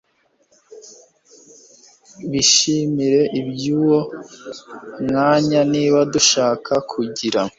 bishimire ibyuwo mwanya Niba dushaka kugira